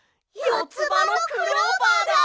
よつばのクローバーです！